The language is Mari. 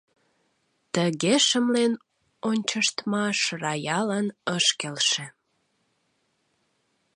Тыге шымлен ончыштмаш Раялан ыш келше.